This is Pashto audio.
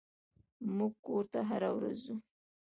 موږ کور ته هره ورځ ځو.